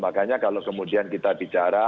makanya kalau kemudian kita bicara